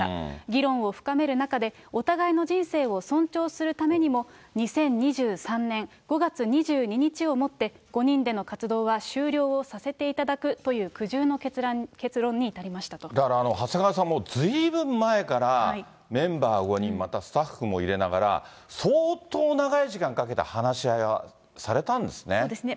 議論を深める中で、お互いの人生を尊重するためにも、２０２３年５月２２日をもって、５人での活動は終了をさせていただく、という苦渋の結論に至りまだから長谷川さん、もうずいぶん前からメンバー５人、またスタッフも入れながら、相当長い時間かけて話し合いはされたんですね。